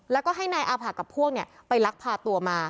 แล้วก็ให้นายอาผะกับพวกไปลักพาตัวมา